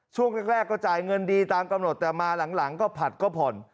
ช่วงแรกก็จ่ายเงินดีตามกำหนดแต่มาหลังก็ผัดก็ผ่อน